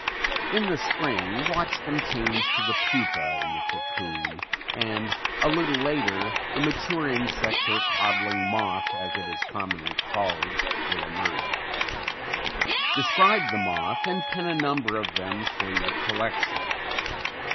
In the spring watch them change to the pupa in the cocoon and a little later the mature insect or codling moth, as it is commonly called, will emerge. Describe the moth and pin a number of them for your collection.